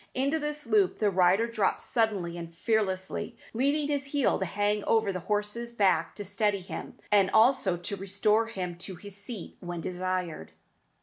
Into this loop the rider drops suddenly and fearlessly, leaving his heel to hang over the horse's back to steady him, and also to restore him to his seat when desired.